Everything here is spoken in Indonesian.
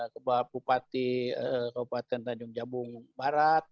ke bupati kabupaten tanjung jabung barat